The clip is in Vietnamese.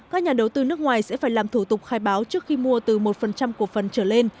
các nhà đầu tư nước ngoài sẽ phải làm thủ tục khai báo trước khi mua từ một của phần trở lên